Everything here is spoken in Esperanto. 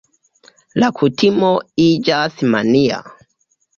La kutimo iĝas mania.